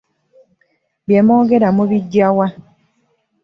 Bye mwogera mubiggya wa?